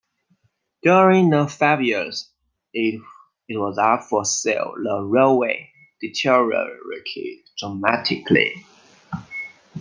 During the five years it was up for sale the railway deteriorated dramatically.